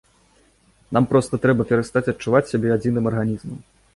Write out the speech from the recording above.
Нам проста трэба перастаць адчуваць сябе адзіным арганізмам.